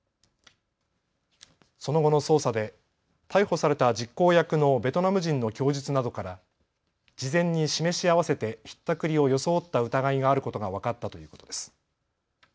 その後の捜査で逮捕された実行役のベトナム人の供述などから事前に示し合わせてひったくりを装った疑いがあることが分かったということです。